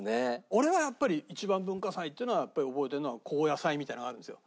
俺はやっぱり一番文化祭っていうのはやっぱり覚えてるのは後夜祭みたいなのがあるんですよ。